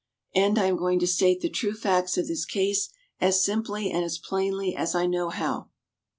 And I am going to state the true facts of this case as simply and as plainly as I know how.